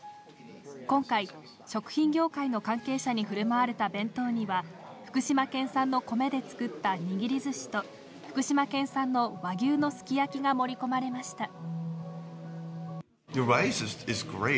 今回、食品業界の関係者にふるまわれた弁当には、福島県産の米で作った握りずしと、福島県産の和牛のすき焼きが盛り込まれました。